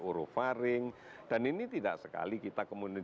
urofaring dan ini tidak sekali kita kemudian